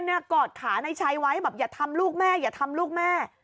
กอดขาในชัยไว้แบบอย่าทำลูกแม่อย่าทำลูกแม่